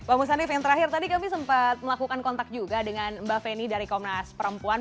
pak musanif yang terakhir tadi kami sempat melakukan kontak juga dengan mbak feni dari komnas perempuan